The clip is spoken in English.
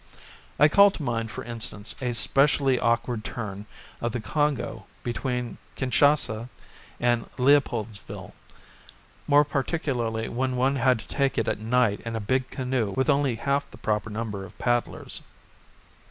I call to mind, for instance, a specially awkward turn of the Congo between Kinchassa and Leopoldsville more particularly when one had to take it at night in a big canoe with only half the proper number of paddlers.